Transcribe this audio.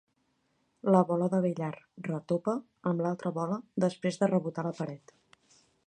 La bola de billar retopà amb l'altra bola després de rebotar a la paret.